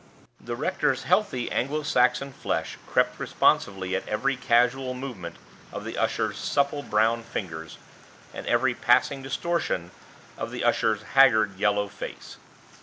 The rector's healthy Anglo Saxon flesh crept responsively at every casual movement of the usher's supple brown fingers, and every passing distortion of the usher's haggard yellow face.